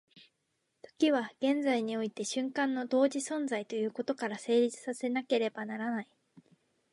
時は現在において瞬間の同時存在ということから成立せなければならない。